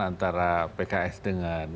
antara pks dengan